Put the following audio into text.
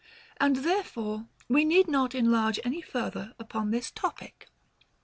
And therefore we need not enlarge any further upon this topic. 28.